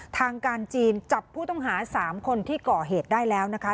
ทางการจีนจับผู้ต้องหา๓คนที่ก่อเหตุได้แล้วนะคะ